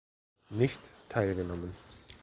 Nicht teilgenommen.